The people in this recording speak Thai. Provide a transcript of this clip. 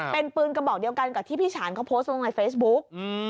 เป็นปืนกระบอกเดียวกันกับที่พี่ฉานเขาโพสต์ลงในเฟซบุ๊ก